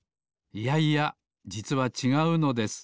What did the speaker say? いやいやじつはちがうのです。